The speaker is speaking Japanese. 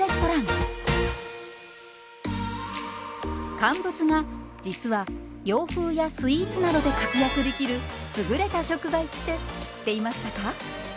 乾物が実は洋風やスイーツなどで活躍できる優れた食材って知っていましたか？